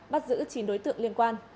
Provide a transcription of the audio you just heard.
bắt giữ chín đối tượng liên quan